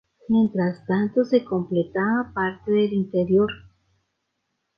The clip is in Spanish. Mientras tanto se completaba parte del interior.